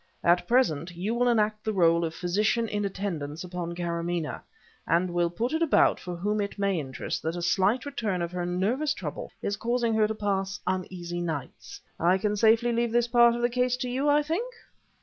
At present, you will enact the role of physician in attendance upon Karamaneh, and will put it about for whom it may interest that a slight return of her nervous trouble is causing her to pass uneasy nights. I can safely leave this part of the case to you, I think?"